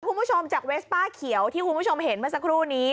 คุณผู้ชมจากเวสป้าเขียวที่คุณผู้ชมเห็นเมื่อสักครู่นี้